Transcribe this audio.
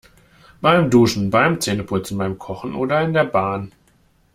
Beim Duschen, beim Zähneputzen, beim Kochen oder in der Bahn.